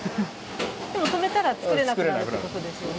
でも、止めたらつくれなくなるということですよね。